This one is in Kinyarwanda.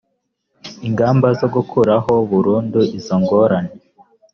ingamba zo gukuraho burundu izo ngorane